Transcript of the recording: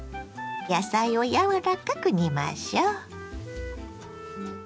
野菜をやわらかく煮ましょ。